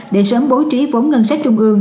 để sớm bố trí vốn ngân sách trung ương